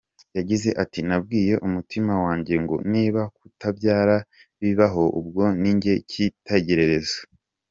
Yagize ati “Nabwiye umutima wanjye ngo “niba kutabyara bibabo, ubwo ni njye cyitegererezo.